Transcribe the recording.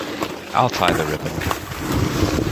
I’ll tie the riband.